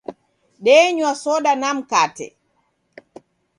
Denywa soda na mkate